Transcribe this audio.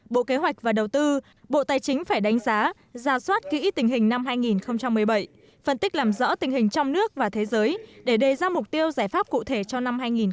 bộ kế hoạch và đầu tư bộ tài chính phải đánh giá ra soát kỹ tình hình năm hai nghìn một mươi bảy phân tích làm rõ tình hình trong nước và thế giới để đề ra mục tiêu giải pháp cụ thể cho năm hai nghìn một mươi chín